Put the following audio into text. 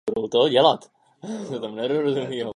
Toto jméno je spojeno s počátky české univerzitní geografie.